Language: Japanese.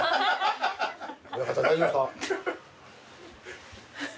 親方大丈夫ですか？